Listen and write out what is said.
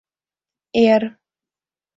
Эр